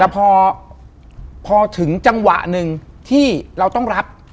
แต่พอถึงจังหวะหนึ่งที่เราต้องรับ